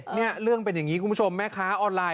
นี่เรื่องเป็นอย่างนี้คุณผู้ชมแม่ค้าออนไลน์